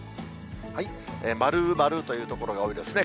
丸、丸という所が多いですね。